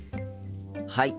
はい。